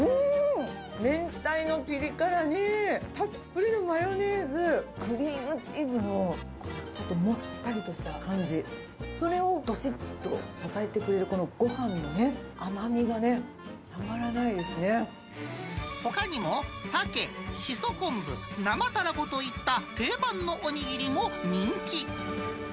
明太のピリ辛に、たっぷりのマヨネーズ、クリームチーズのこのちょっともったりとした感じ、それをどしっと支えてくれる、ほかにも、さけ、しそ昆布、生たらこといった定番のお握りも人気。